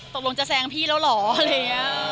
ตกลงจะแซงพี่แล้วเหรออะไรอย่างนี้